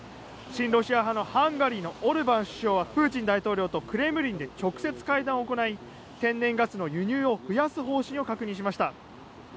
親ロシア派のハンガリーのオルバン首相はプーチン大統領とクレムリンで直接会談を行い天然ガスの輸入を増やす方針を確認しました。